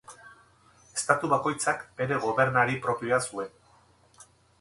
Estatu bakoitzak bere gobernari propioa zuen.